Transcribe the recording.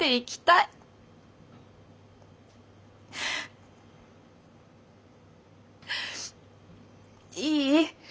いい？